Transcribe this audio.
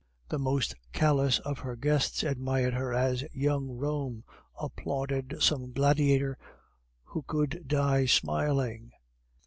The most callous of her guests admired her as young Rome applauded some gladiator who could die smiling.